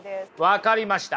分かりました。